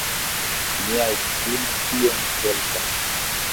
Mia edzino iom helpas.